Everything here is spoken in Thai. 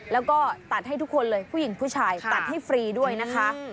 แล้วก็ตัดให้ทุกคนเลยผู้หญิงผู้ชายตัดให้ฟรีด้วยนะคะ